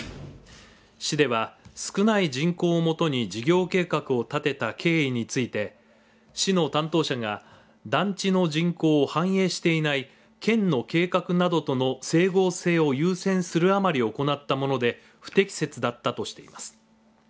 市では、少ない人口をもとに事業計画を立てた経緯について市の担当者が団地の人口を反映していない県の計画などとの整合性を優先するあまり行ったもので不適切だったとしています。